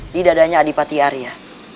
di dadanya adipati arya